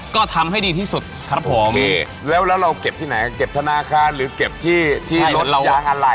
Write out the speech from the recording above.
ก็ทำให้ดีที่สุดครับผมนี่แล้วแล้วเราเก็บที่ไหนเก็บธนาคารหรือเก็บที่ที่รถเรายางอะไร